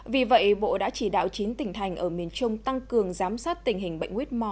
vì vậy bộ đã chỉ đạo chính tỉnh thành ở miền trung tăng cường giám sát tình hình bệnh quýt mò